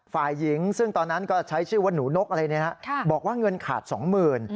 ฝ่ายหญิงซึ่งตอนนั้นก็ใช้ชื่อว่าหนูนกอะไรเนี่ยนะบอกว่าเงินขาดสองหมื่น